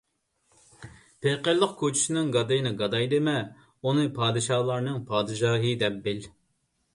پېقىرلىق كوچىسىنىڭ گادىيىنى گاداي دېمە، ئۇنى پادىشاھلارنىڭ پادىشاھى دەپ بىل.